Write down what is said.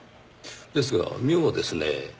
ですが妙ですねぇ。